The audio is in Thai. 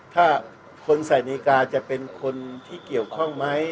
ถ้าคนใส่นาฬิกาจะเป็นคนที่เกี่ยวข้องไหม